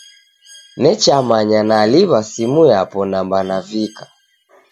Nechamanya naliw'a simu yapo namba navika